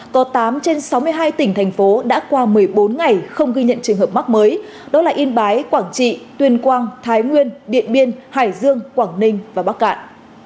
có tám trên sáu mươi hai tỉnh thành phố đã qua một mươi bốn ngày không ghi nhận trường hợp mắc mới đó là yên bái quảng trị tuyên quang thái nguyên điện biên hải dương quảng ninh và bắc cạn